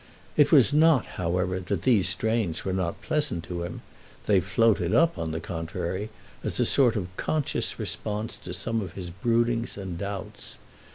It was not, however, that these strains were not pleasant to him; they floated up, on the contrary, as a sort of conscious response to some of his broodings and doubts.